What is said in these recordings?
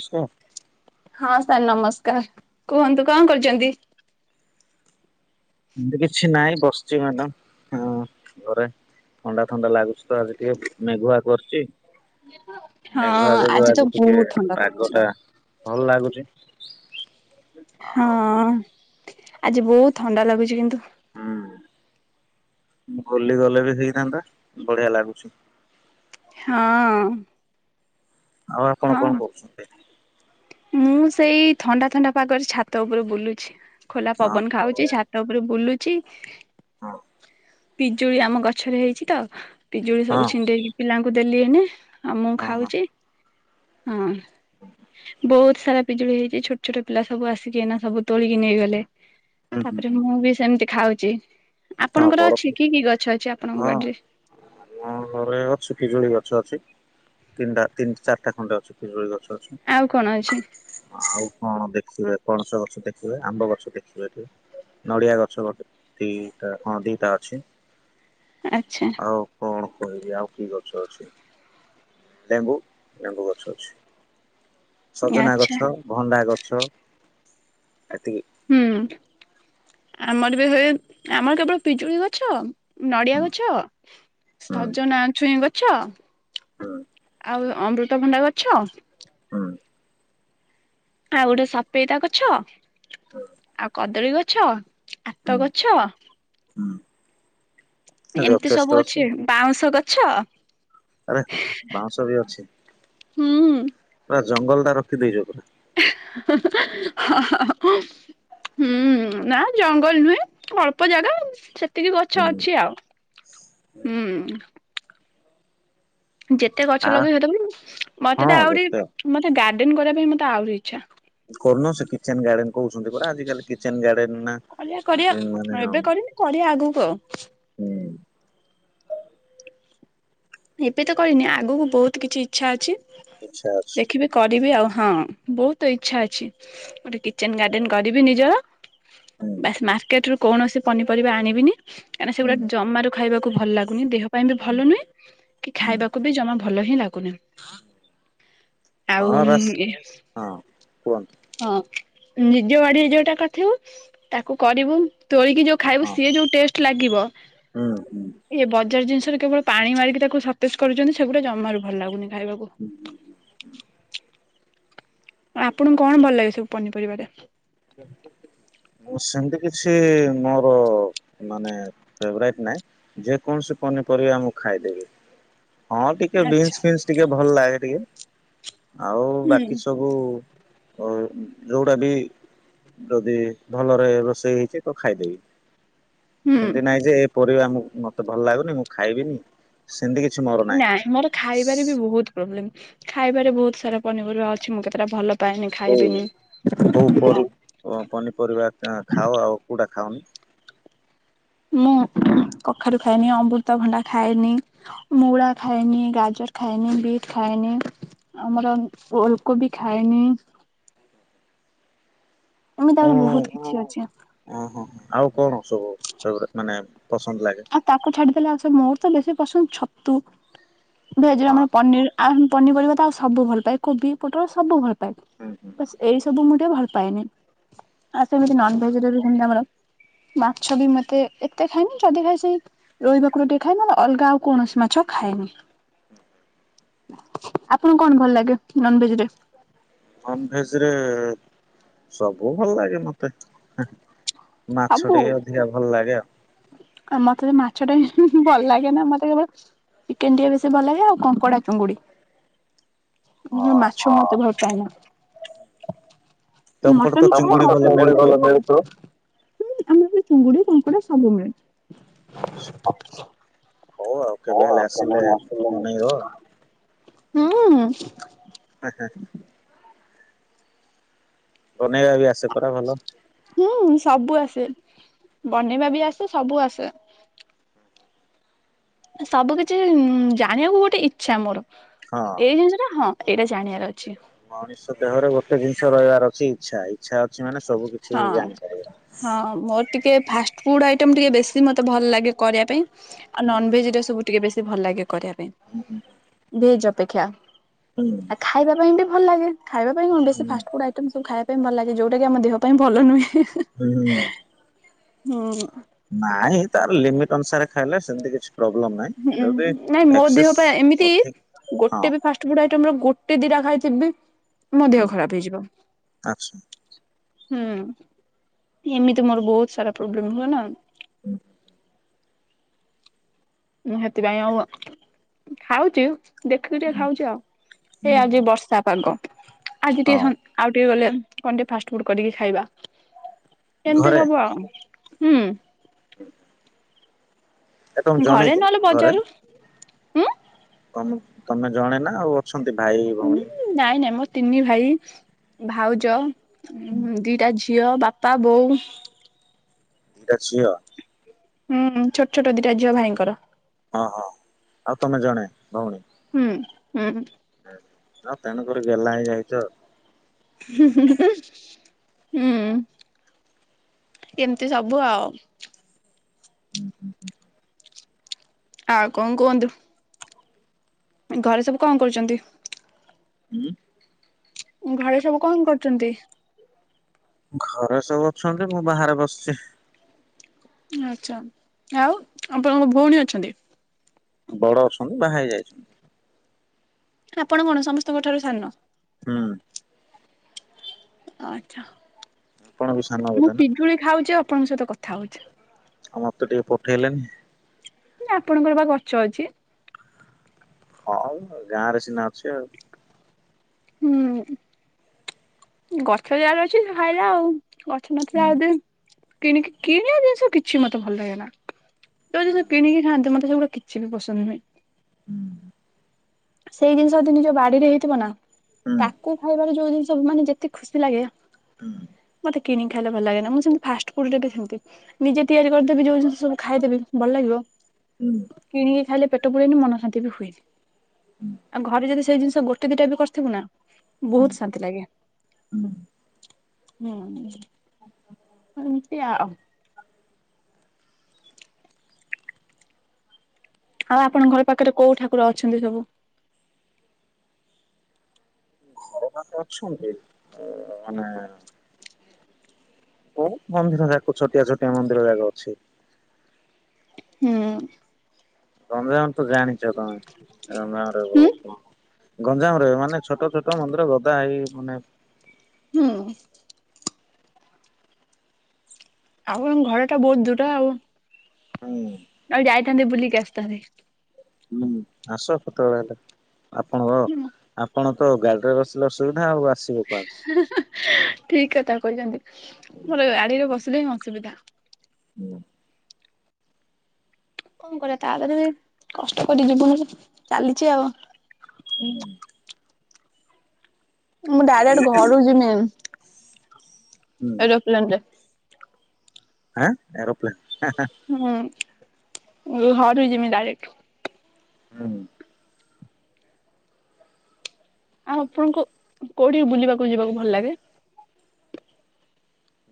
ଆସ୍କା। ହଁ ସାର୍ ନମସ୍କାର କୁହନ୍ତୁ କଣ କରୁଛନ୍ତି ଏମତି କିଛି ନାହିଁ ବସିଛି ମାଡାମ ହଁ। ଘରେ ଥଣ୍ଡା ଥଣ୍ଡା ଲାଗୁଛି ତ ଆଜି ଟିକେ ପିକ୍ନିକିୱାର୍କ କରୁଚି। ହଁ ମେଘଆ ଯୋଗୁ ତ ଆଜି ଟିକେ ବହୁତ ଥଣ୍ଡା ଲାଗୁଛି। ପାଗଟା ଭଲ ଲାଗୁଚି। ହଁ ଆଜି ବହୁତ ଥଣ୍ଡା ଲାଗୁଛି କିନ୍ତୁ। ହୁଁ। ବୁଲି ଗଲେ ବି ହେଇଥାନ୍ତା ବଢିଆ ଲାଗୁଛି। ହଁଅ। ଆଉ ଆପଣ କଣ କହୁଛନ୍ତି? ମୁଁ ସେଇ ଥଣ୍ଡା ଥଣ୍ଡା ପାଗରେ ଛାତ ଉପରେ ବୁଲୁଛି। ଖୋଲା ହଁ ପବନ ଖାଉଛି ବଢିଆ ଛାତ ଉପରେ ବୁଲୁଛି। ହଁ। ପିଜୁଳି ଆମ ଗଛରେ ହେଇଛି ତ ପିଜୁଳି ହଁ ସବୁ ଛିଣ୍ଡେଇକି ପିଲାଙ୍କୁ ଦେଲି ଏହିନେ। ହଁ ମୁଁ ଖାଉଛି। ହଁ। ବହୁତୁ ସାରା ପିଜୁଳି ହେଇଛି ଛୋଟ ଛୋଟ ପିଲା ସବୁ ଆସିକିନା ସବୁ ତୋଳିକି ନେଇଗଲେ। ହୁଁ ହୁଁ ତାପରେ ହୁଁ ମୁଁ ବି ସେମିତି ଖାଉଛି। ହଁ ଆପଣଙ୍କର ବରଫ ଅଛି କି କି ଗଛ ଅଛି ଆପଣଙ୍କ ବାଡିରେ? ହଁ ଘରେ ଅଛି ପିଜୁଳି ଗଛ ଅଛି। ତିନିଟା ତିନ ଚାରିଟା ଖଣ୍ଡେ ଅଛି ପିଜୁଳି ଗଛ ଅଛି ଆଉ କଣ ଅଛି? ଆଉ କଣ ଦେ ଦେଖିବେ ପଣସ ଗଛ ଦେଖିବେ ଆମ୍ବ ଗଛ ଦେଖିପାରିବେ ନଡିଆ ଗୋଟେ ତି ଟା ହଁ ଦିଟା ଅଛି ଆଚ୍ଛା ଆଉ କଣ? କହିବି ଆଉ କି ଗଛ ଅଛି ଲେମ୍ବୁ ଲେମ୍ବୁ ଗଛ ଅଛି। ସଜନା ଆଚ୍ଛା ଗଛ ଭଣ୍ଡା ଗଛ ଏତିକି ହୁଁ ଆମର ବି ହୁଏଏ ଆମର କେବଳ ପିଜୁଳି ଗଛ, ନଡିଆ ଗଛ, ହୁଁ ସଜନା ଛୁଇଁ ଗଛ ହୁଁ ଆଉ ଅମୃତ ଭଣ୍ଡା ଗଛ। ହୁଁ ଆଉ ଗୋଟେ ସଫେଇତା ଗଛ ଆଉ କଦଳୀ ଗଛ। ଆତ ଗଛ। ହଁ। ଏମିତି ସବୁ ଅଛି ବାଉଁଶ ଗଛ। ଆରେ ବାଉଁଶ ବି ଅଛି ହୁଁ ପୁରା ଜଙ୍ଗଲ ଟା ରଖିଦେଇଛ ତୁମେ। ହଁ-ହଁ-ହଁ। ହୁଁ ନା ଜଙ୍ଗଲ ନୁହେଁ ଅଳ୍ପ ଜାଗା ସେ। ଏତିକି ଗଛ ହୁଁ ଅଛି ଆଉ ହୁଁ। ଯେତେ ଗଛ ଆ ଲଗେଇ ସେତେବେଳେ ମତେ ହଁ ତ ଆହୁରି ଯେତେ ମତେ ଗାର୍ଡେନ କରିବା ପାଇଁ ମତେ ଆହୁରି। ଆଚ୍ଛା। କରୁନ ସେ କିଚେନ ଗାର୍ଡେନ କହୁଛନ୍ତି ପରା ଆଜି କାଲି କିଚେନ ଗାର୍ଡେନ ନା। କ ମାନେ କରିବା ଏବେ ହୁଁ କରିନି କରିବା ଆଗକୁ ଆଉ। ଏବେ ତ କରିନି ଆଗକୁ ବହୁତ କିଛି ଇଚଛା ଅଛି ଇଚ୍ଛା ଅଛି ଦେଖିବି କରିବି ଆଉ। ହଁ ବହୁତ ଇଚ୍ଛା ଅଛି ଗୋଟେ କିଚେନ ଗାର୍ଡେନ କରିବି ନିଜର। ହୁଁ ବାସ୍ ମାର୍କେଟ ରୁ କୌଣସି ପନିପରିବା ଆଣିବିନି କାହିଁକିନା ହୁଁ ସେଗୁଡା ଜମାରୁ ଖାଇବାକୁ। ଭଲ ଲାଗୁନି ଦେହ ପାଇଁ ବି ହୁଁ ଭଲ ନୁହେ କି ହୁଁ ଖାଇବାକୁ ବି ଜମା। ଭଲ ହିଁ ଲାଗୁନି ଆଉ। ହଁ ବାସ୍ ହଁ କୁହନ୍ତୁ ହଁ ନିଜ ବାଡିରେ ଯୋଉଟା କରିଥିବୁ ତାକୁ କରିବୁ। ତୋଳିକି ଯୋଉ ଖାଇବୁ ହଁ ସିଏ ଯୋଉ ଟେଷ୍ଟ ଲାଗିବ ହୁଁ ହୁଁ ବଜାର ଜିନିଷ। କେବଳ ପାଣି ମାରିକି ତାକୁ ସତେଜ କରୁଛନ୍ତି ସେଗୁଡା ଜମାରୁ ଭଲ ଲାଗୁନି। ଖାଇବାକୁ। [inaudible] ଆପଣଙ୍କୁ କଣ ଭଲ ଲାଗେ ସବୁ ପନିପରିବାରେ। ମୁଁ ସେମିତି କିଛି ମୋର ମାନେ ଫେବରାଇଟ ନାହିଁ ଯେକୌଣସି। ପନିପରିବା ମୁକ ଖାଇଦେବି। ହଁ ଟିକେ ଆଚ୍ଛା ବିନ୍ସ ଫିନ୍ସ ଟିକେ ଭଲ ଲାଗେ ଟିକେ ଆଉ ହୁଁ ବାକି ସବୁ। ହ ଯୋଉଟା ବି ଯଦି। ଭଲରେ ରୋଷେଇ ହେଇଛି ତ ଖାଇଦେବି ହୁଁ। ସେମତି ନହିଁ ଯେ ଏ ପରିବା ମୁଁ। ମତେ ଭଲ ଲାଗୁନି ମୁଁ ଖାଇବିନି। ସେମିତି କିଛି ମୋର ନାହିଁ। ନା ମୋର ଖାଇବାରେ ବି ବହୁତ ପ୍ରୋବ୍ଲେମ୍। ଖାଇବାରେ ବହୁତ ସାରା ପନିର ଅଛି ମୁଁ କେତେଟା ଭଲ। ପାଏନି ହ ଖାଇବିନି। କୋଉ ପନିପରିବା ଖାଅ ଆଉ କୋଉଟା। ଖାଅ। ମୁଁ। କଖାରୁ ଖାଏନି ଅମୃତଭଣ୍ଡା ଖାଏନି ମୂଳା ଖାଏନି ଗାଜର ଖାଏନି ବିଟ୍ ଖାଏନି। ଖଏନି ଆମର ଓଲକୋବି ଖାଏନି। ଏମିତି ହଁ ଆହୁରି ବହୁତ କିଛି ଅଛି ଓ ହୋ ଆଉ କଣ ସବୁ ମାନେ। ପସନ୍ଦ ଲାଗେ? ଆଉ ତାକୁ ଛାଡିଦେଲେ ମୋର ତ ବେଶୀ ପସନ୍ଦ ଛତୁ। ଭେଜରେ ହଁ ଆମର ପନିର ଆଉ ପନିର ପରିବା ତ ଆ ସବୁଲ ପାଏ କୋବି ପଟଳ ସବୁ ଭଲ ପାଏ। ବ ଏଇ ସବୁ ମୁଁ। ଭଲ ପାଏନି ଆଉ ସେମିତି ନନ ଭେଜରେ ବି ଆମର। ମାଛ ବି ମତେ ଏତେ ଖାଇନି ଯଦି ଖାଏ। ସେ ରୋହି ଭାକୁର ଟିକେ ଖାଏ ନେ ଅଲଗା ଆଉ କୌଣସି ମାଛ ଖାଏନି। ଆପଣଙ୍କୁ କଣ ଭଲ ଲାଗେ ନନଭେଜ ରେ। ନନ ଭେଜରେ ସବୁ ଭଲ ଲାଗେ ମତେ। ମାଛ ଟିକ ଅଧିକା ଭଲ ଲାଗେ ଆଉ। ଆ ମତେ ମାଛ ଟା ଭଲ ଲାଗେ ନା ମତେ କେବଳ। ଚିକେନ ଟେ ବେଶୀ ଭଲ ଲାଗେ ଆଉ କଙ୍କଡା ଚୁଙ୍ଗୁଡି। ହଁ। ମାଛର ମତେ ଭର ପାଇଏନା। ତମପଟେ ମଟନ। ତ [unintelligible] ଚିଙ୍ଗୁଡି ଭଲ ହୁଁ ମିଳୁଥିବ? ଆମର ଚୁଙ୍ଗୁଡି କଙ୍କଡା ସବୁ ମିଳେ। ହଁ ହଉ ଆଉ କେବେ ହେଲେ ଆସିଲେ ବନେଇବ [unintelligible] ହୁଁ। ଆଚ୍ଛା। ବନେଇବା ବି ଆସେ ପରା ଭଲ। ହୁଁ ହୁଁ ସବୁ ଆସେ। ବନେଇବା ବି ଆସେ ସବୁ ଆସେ। ସବୁ କିଛି ଜାଣିବାକୁ ଗୋଟେ ଇଚ୍ଛା ମୋର ହଁ। ଏଇ ଜିନିଷଟା ହଁ। ଏଇଟା ଜାଣିବାର ଅଛି। ମଣିଷ ଦେହରେ ଗୋଟେ ଜିନିଷ ରହିବାର ଅଛି ଇଚ୍ଛା। ଇଚ୍ଛା ଅ ହଁ ହଁ ମୋର ଟିକେ ଫାଷ୍ଟଫୁଡ ଆଇଟମ୍ ଟିକେ ବେଶୀ ମୋତେ ଭଲ ଲାଗେ କରିବା ପାଇଁ। ଆଉ ନନଭେଜ ରେ ସବୁ ଟିକେ ବେଶୀ ଭଲ ଲାଗେ। କରିବା ପାଇଁ। ଭେଜ ଅପେକ୍ଷା, ହୁଁ ଆ ଖାଇବା ପାଇଁ ବି ଭଲ ଲାଗେ । ଖାଇବା ପାଇଁ ହୁଁ କଣ ବେଶି ହୁଁ ଫାଷ୍ଟଫୁଡ ଆଇଟମ୍ ସବୁ ଖାଇବା ପାଇଁ ଭଲ ଲାଗେ। ଯଉଟା କି ଆମ ଦେହ ପାଇଁ ଭଲ ନୁହେଁ। ହୁଁ। ହୁଁ। ନାଇଁ ତାର ଲିମିଟ୍ ଅନୁସାରେ ଖାଇଲେ ସେମିତି କିଛି ପ୍ରୋବ୍ଲେମ ନାହିଁ ହୁଁ ଯଦି ନାଇଁ ମୋ ଦେହ ଏକ୍ସେସ୍ ପାଇଁ ଏମିତି ଅଧିକ ହଁ ଗୋଟେ ବି ଫାଷ୍ଟ ଫୁଡ ଆଇଟମ ର ଗୋ ଗୋଟେ ଦିଟା ଖାଇଥିବି ମୋ ଦେହ ଖରାପ ହେଇଯିବ। ଆଚ୍ଛା ହୁଁ ଏମିତି ମୋର ବହୁତ ସାରା ପ୍ରୋବ୍ଲେମ ହୁଏ ନା। [inaudible] ମୁଁ ସେଥିପାଇଁ ଆଉ ଖାଉଛି ଦେଖିକି ଟିକେ ଖାଉଛି ଆଉ। ଏ ଆଜି ବର୍ଷା ପାଗ ଆଜି ଟିକେ ହଁ ଆଉ ଟିକେ ଗଲେ କଣ ଟିକେ ଫାଷ୍ଟ ଫୁଡ କରିକି ଖାଇବା। କେମିତି ଘରେ ହବ ଆଉ। ହୁଁ। [inaudible] ଏ ତମ ଜଣେ ଘରେ କିି ନହେଲେ ଘରେ? ବଜାରରୁ ଉଁ [unintelligible] ତମେ ଜଣେ ନା ଆଉ ଅଛନ୍ତି ଭାଇ ଉଁ ଭଉଣୀ? ନାଇଁ ନାଇଁ ମୋ ତିନି ଭାଇ ଭାଉଜ ଦିଟା ଝିଅ ବା ପା ବୋଉ ଦିଟା ଝିଅ। ହୁଁ ଛୋଟ ଛୋଟ ଦିଟା ଝିଅ ଭାଇଙ୍କର। ଓ ହ ଆଉ ତମେ ଜଣେ ଭଉଣୀ? ହୁଁ ହୁଁ ତେଣୁକରି ଗେହ୍ଲା ହେଇ ଯାଇଚ। ହୁଁ। ଏମିତି ସବୁ ଆଉ। [inaudible] ଆଉ କଣ କୁହନ୍ତୁ? ଘରେ ସବୁ କଣ କରୁଛନ୍ତି? ଉଁ। ଘରେ ସବୁ କଣ କରୁଛନ୍ତି? ଘରେ ସବୁ ଅଛନ୍ତି ମୁଁ ବାହାରେ ବସିଚି। ଆଚ୍ଛା, ଆଉ ଆପଣଙ୍କ ଭଉଣୀ ଅଛନ୍ତି? ବଡ଼ ଅଛନ୍ତି ବାହା ହେଇ ଯାଇଛନ୍ତି। ଆପଣ କଣ ସମସ୍ତଙ୍କ ଠାରୁ ସାନ? ହୁଁ। ଆଚ୍ଛା, ଆପଣ ବି ସାନ ମୁଁ ବୋଧେ ନା ପିଜୁଳି ଖାଉଛି ଆଉ ଆପଣଙ୍କ ସହିତ କଥା ହଉଛି। ଆ ମତେ ଟିକେ ପଠେଇଲେନି। ନା ଆପଣଙ୍କର ବା ଗଛ ଅଛି। ହଁ ଗାଁ ରେ ସିନା ଅଛି ଆଉ ହୁଁ। ଗଛ ଯାହାର ଅଛି ସିଏ ଖାଇଲା ଆଉ। ଗଛ ନଥିଲା ହୁଁ ଆଉ ଯିଏ କିଣିକି କିଣିବା ଜିନିଷ କିଛି ମତେ ଭଲ ଲାଗେ ନା। ଯଦି ସେ କିଣିକି ଖଆନ୍ତେ ମତେ ସେଗୁଡା କିଛି ବି ପସନ୍ଦ ନୁହେଁ। ହୁଁ। ସେଇ ଜିନିଷ ଯଦି ନିଜ ବାଡ଼ିରେ ହେଇଥିବ ନା ହୁଁ ତାକୁ ଖାଇବାରେ ଯୋଉ ଜିନିଷ ସବୁ ମାନେ ଯେତେ ଖୁସି ଲାଗେ। ହୁଁ। କିଣିି ଖାଇଲେ ଭଲ ଲାଗେନା ମୁଁ ସେମିତି ଫାଷ୍ଟଫୁଡ ରେ ସେମିତି ନିଜେ ତିଆରି କରିଦେବି ଯଉ ଜିନିସ ସବୁ ଖାଇଦେବି ଭଲ ଲାଗିବ। କିଣିକି ଖାଇଲେ ପେଟ ପୁରେନି ମନ ଶାନ୍ତି ବି ହୁଏନି ଆଉ ଘରେ ଯଦି ସେ ସେ ଜିନିଷ ଗୋଟେ ଦିଟା ବି କରିଥିବୁ ନା ବହୁତ ଶାନ୍ତି ଲାଗେ। ହୁଁ ହୁଁ ସେମିତି ଆଉ। ଆଉ ଆପଣଙ୍କ ଘର ପାଖରେ କୋଉ ଠାକୁର ଅଛନ୍ତି ସବୁ? ଘର ପାଖେ ଅଛନ୍ତି ମାନେ ଓ ମନ୍ଦିର ଛୋଟିଆ ଛୋଟିଆ ମନ୍ଦିର ଜାକ ଅଛି ହୁଁ। ରଞଜନ ତୁ ଜାଣିଛ ଚ ତମେ କ ଗାଁ ରେ ହୁଁ ବହୁ ଗଞ୍ଜାମ ରେ ମାନେ ଛୋଟ ଛୋଟ ମନ୍ଦିର ଗଦା ହେଇ ମାନେ ହୁଁ। ଆଉ ଏ ଘର ତ ବୋହୁତ ଦୂର ଆଉ। ହୁଁ। ଆଉ ଯାଇଥାନ୍ତି ବୁଲିିକି ଆସିଥାନ୍ତି। ହୁଁ ଆସ କେତବେଳେ ହେଲା ଆପଣ ହୁଁ ଆପଣ ତ ଗାଡ଼ିରେ ବସିଲେ ଅସୁବିଧା ଆଉ ଆ ଠିକ କଥା କହିଛନ୍ତି ମୋର ଗାଡ଼ିରେ ବସିଲେ ହିଁ ଅସୁ ସୁବିଧା। ହୁଁ। କଣ କରିବା ତା ଦେହରେ ବି କଷ୍ଟ କରି ଜୀବନରେ ଚାଲିଛି ଆଉ। ହୁଁ। ମୁଁ ଡାଇରେକ୍ଟ ଘରକୁ ଯିମି ହୁଁ ଏରୋପ୍ଲେନ ରେ। ଆଁ ଏରୋପ୍ଲେନ୍। ହୁଁ ଘରକୁ ଯିମି ଡାଇରେକ୍ଟ । ହୁଁ । ଆଉ ଆପଣଙ୍କୁ କୋଉଠି ବୁଲିବାକୁ ଯିବାକୁ ଭଲ ଲାଗେ?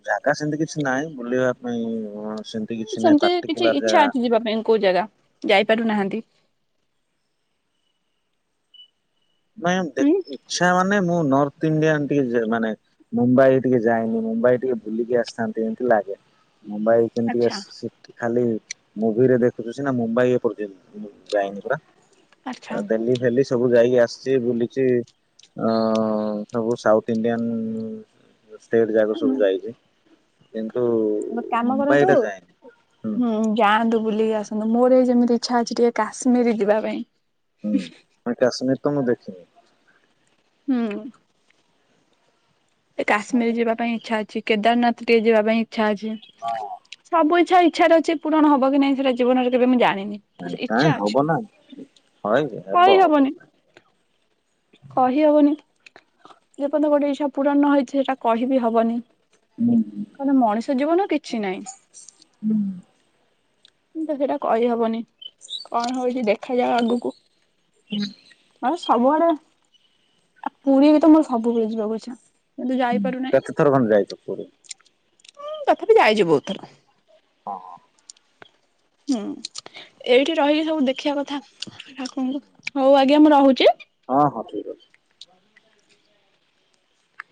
ଜାଗା ସେମିତି କିଛି ନାହିଁ ବୁଲିବା ପାଇଁ। ସେମିତି କିଛି ନାହିଁ ସେମିତି କିଛି ପାର୍ଟିକୁଲାର ଇଚ୍ଛା ଜାଗା। ଅଛି ଯିବା ପାଇଁ କୋଉ ଜାଗା? ଯାଇପାରୁନାହାନ୍ତି। ମ ହୁଁ ଇଚ୍ଛା ମାନେ ମୁଁ ନ ଥ ଇଣ୍ଡିଆ ଟିକେ ମାନେ ମୁମ୍ବାଇ ଟିକେ ଯାଇନି ମୁମ୍ବାଇ ଟିକେ ବୁଲିକି ଆସିଥାନ୍ତି ଏମିତି ଲାଗେ। ମୋବାଇଲ କେମିତି ଆଚ୍ଛା ଖାଲି ମୁଭିରେ ଦେଖୁଛୁ ନା ମୁମ୍ବାଇ ଏପ ଯାଇନି ପୁରା ଆଚ୍ଛା। ଡେଲି ସବୁ ଯାଇକି ଆସିଛି ବୁଲିଛି ଅ ସବୁ ସାଉଥ ଇଣ୍ଡିଆନ୍ ଷ୍ଟେଟ୍ ଯାକ ସବୁ ଯାଇଛି। କିନ୍ତୁ ଗୋଟେ କାମ ମୁମ୍ବାଇ କରନ୍ତୁ ଟା ଯାଇନି। ହୁଁ ଯାଆନ୍ତୁ ବୁଲିକି ଆସ ନ୍ତୁ ମୋର ଯେମିତି ଇଚ୍ଛା ଅଛି ଟିକେ କାଶ୍ମୀର ଯିବା ପାଇଁ। ହୁଁ ଆ କାଶ୍ମୀର ତ ମୁଁ ଦେଖିନି। ହୁଁ। କାଶ୍ମୀର ଯିବା ପାଇଁ ଇଚ୍ଛା ଅଛି କେଦାରନାଥ ଟିକେ ଯିବା ପାଇଁ ଇଚ୍ଛା ଅଛି ସବୁ ଇଚ୍ଛା ଇଚ୍ଛାରେ ଅଛି ପୂରଣ ହବ କି ନାଇଁ ସେଟା ଜୀବନରେ କେବେ ମୁଁ ଜାଣିନି। କାଇଁ ଇଚ୍ଛା ଅଛି ହବ ନା ହଏ ହବ କହି ହବ। ହବନି। କହିହବନି ଯେପର୍ଯ୍ୟ ଗୋଟେ ଇଚଛା ପୁରଣ ହେଇଛି ସେଇଟା କହିିବି ହବନି। କହଲେ ମଣିଷ ଜୀବନ କିଛି ନହିଁ। କିନ୍ତୁ ସେଇଟା କହିହବନି କଣ ହଉଛି ଦେଖାଯାଅ ଆଗକୁ। ହୁଁ। ମ ସବୁଆଡେ ପୁରୀ ବି ତମର ସବୁବେଳେ ଯିବାକୁ ଇଚ୍ଛା। କିନ୍ତୁ ହଁ ଯାଇପାରୁନାହିଁ କେତେ ଥର ଖଣ୍ଡେ ଯାଇଛ ପୁରୀ। ତଥାପି ଯାଇଛି ବହୁତଥର। ହଁ ହଁ। ହୁଁ। ଏଇଠି ରହିକି ସବୁ ଦେଖିବା କଥା ଠାକୁରଙ୍କୁ ହଉ ଆଜ୍ଞା ମୁଁ ରହୁଛି। ହଁ ହଁ ଠିକ ଅଛି।